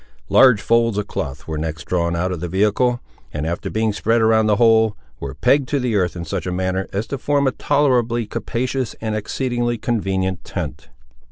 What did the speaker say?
Large folds of cloth were next drawn out of the vehicle, and after being spread around the whole, were pegged to the earth in such a manner as to form a tolerably capacious and an exceedingly convenient tent.